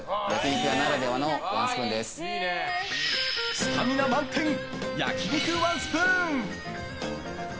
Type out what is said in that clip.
スタミナ満点焼き肉ワンスプーン。